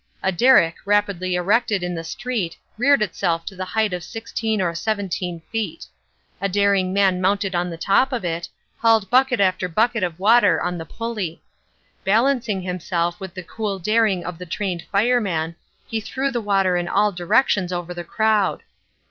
A derrick rapidly erected in the street reared itself to the height of sixteen or seventeen feet. A daring man mounted on the top of it, hauled bucket after bucket of water on the pulley. Balancing himself with the cool daring of the trained fireman, he threw the water in all directions over the crowd.